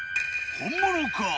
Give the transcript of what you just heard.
本物か？